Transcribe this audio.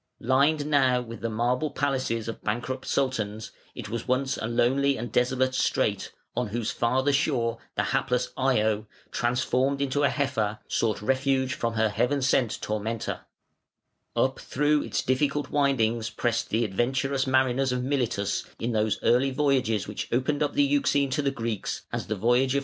Lined now with the marble palaces of bankrupt Sultans, it was once a lonely and desolate strait, on whose farther shore the hapless Io, transformed into a heifer, sought a refuge from her heaven sent tormentor. Up through its difficult windings pressed the adventurous mariners of Miletus in those early voyages which opened up the Euxine to the Greeks, as the voyage of Columbus opened up the Atlantic to the Spaniards.